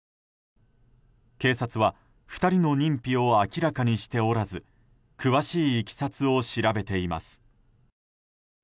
警察は２人の認否を明らかにしておらず詳しいいきさつを調べています。